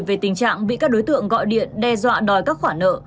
về tình trạng bị các đối tượng gọi điện đe dọa đòi các khoản nợ